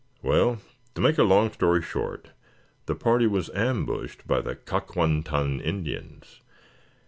Well, to make a long story short, the party was ambushed by the Kak wan tan Indians.